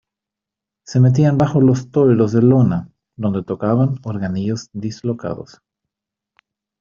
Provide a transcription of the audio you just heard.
se metían bajo los toldos de lona, donde tocaban organillos dislocados.